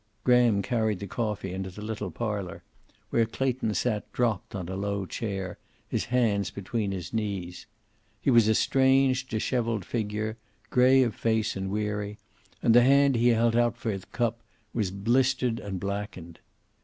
Graham carried the coffee into the little parlor, where Clayton sat dropped on a low chair, his hands between his knees. He was a strange, disheveled figure, gray of face and weary, and the hand he held out for the cup was blistered and blackened.